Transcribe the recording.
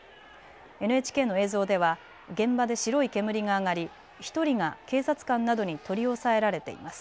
ＮＨＫの映像では現場で白い煙が上がり１人が警察官などに取り押さえられています。